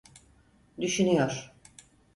Düşünüyor.